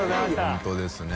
本当ですね。